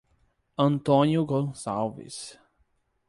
Antônio Gonçalves